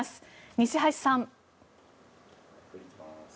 西橋さん。